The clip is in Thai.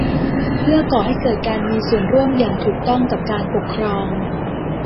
เพื่อก่อให้เกิดการมีส่วนร่วมอย่างถูกต้องกับการปกครอง